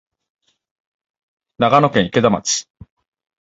長野県池田町